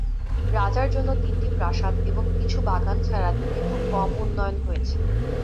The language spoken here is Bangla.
রাজার জন্য তিনটি প্রাসাদ এবং কিছু বাগান ছাড়া দ্বীপে খুব কম উন্নয়ন হয়েছে।